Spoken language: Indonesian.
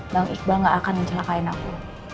bang iqbal gak akan mencelakain aku